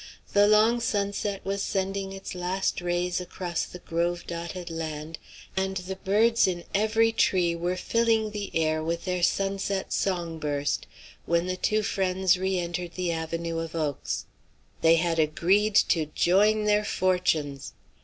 The long sunset was sending its last rays across the grove dotted land, and the birds in every tree were filling the air with their sunset song burst, when the two friends re entered the avenue of oaks. They had agreed to join their fortunes.